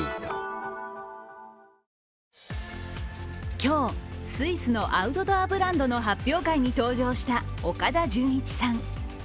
今日、スイスのアウトドアブランドの発表会に登場した岡田准一さん。